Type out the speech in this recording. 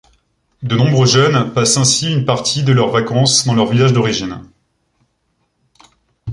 De nombreux jeunes passent ainsi une partie de leurs vacances dans leurs villages d'origine.